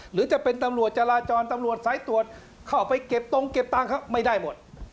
หรือจะเป็นตำรวจจราจรตำรวจสายตรวจเข้าไปเก็บตรงเก็บตังค์เขาไม่ได้หมด